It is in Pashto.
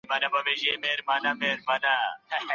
په لفظ سره د طلاق واقع کيدلو نيت ضرور دی.